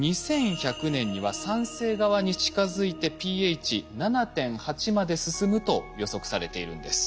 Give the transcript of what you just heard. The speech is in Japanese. ２１００年には酸性側に近づいてｐＨ７．８まで進むと予測されているんです。